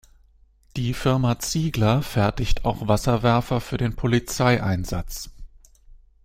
Die Firma Ziegler fertigt auch Wasserwerfer für den Polizeieinsatz.